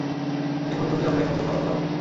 একে খুন করলেই আমরা এখান থেকে পালাতে পারবো।